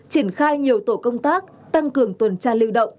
triển khai nhiều tổ công tác tăng cường tuần tra lưu động